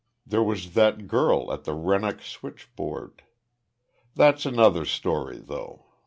There was that girl at the Rennoc switchboard.... "That's another story, though.